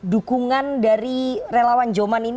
dukungan dari relawan joman ini